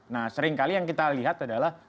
nah sering kali yang kita lihat adalah